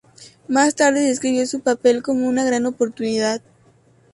Más tarde describió su papel como "una gran oportunidad".